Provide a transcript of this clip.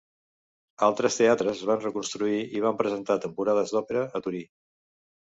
Altres teatres es van reconstruir i van presentar temporades d'òpera a Torí.